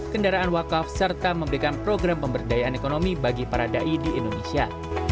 kendaraan wakaf serta memberikan program pemberdayaan ekonomi bagi para dai di indonesia